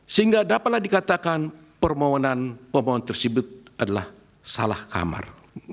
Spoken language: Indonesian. sehingga dapatlah dikatakan permohonan pemohon tersebut adalah salah kamar